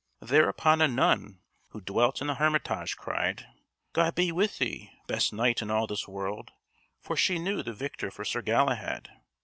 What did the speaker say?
Thereupon a nun, who dwelt in the hermitage, cried: "God be with thee, best knight in all this world," for she knew the victor for Sir Galahad.